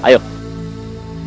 seluruh kekuatan jahat